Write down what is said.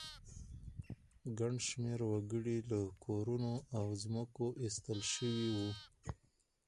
ګڼ شمېر وګړي له کورونو او ځمکو ایستل شوي وو